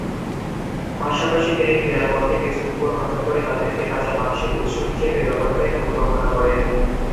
পাশাপাশি তিনি ফেরার পথে কিছু কুকুর হত্যা করে তাদেরকে তাজা মাংসের উৎস হিসেবে ব্যবহারের পরিকল্পনা করেন।